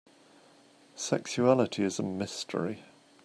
Sexuality is a mystery.